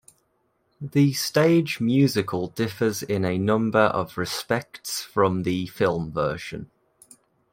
The stage musical differs in a number of respects from the film version.